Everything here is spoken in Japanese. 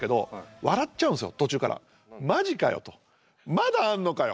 「まだあんのかよ